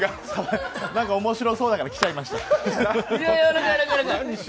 何か面白そうだから来ちゃいました。